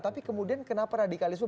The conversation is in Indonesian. tapi kemudian kenapa radikalisme